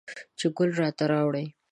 چې ګل راته راوړي